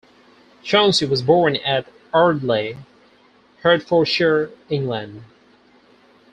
Chauncy was born at Ardeley, Hertfordshire, England.